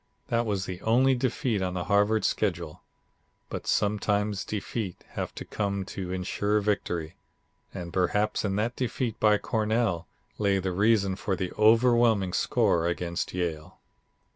That was the only defeat on the Harvard schedule. But sometimes defeats have to come to insure victory, and perhaps in that defeat by Cornell lay the reason for the overwhelming score against Yale.